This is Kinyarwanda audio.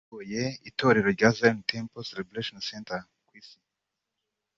uyoboye itorero rya Zion Temple Celebration Centre ku isi